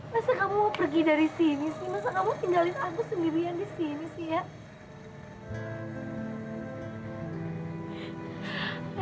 masa kamu pergi dari sini sih masa kamu tinggalin aku sendirian di sini sih ya